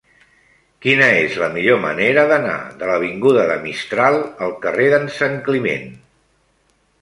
Quina és la millor manera d'anar de l'avinguda de Mistral al carrer d'en Santcliment?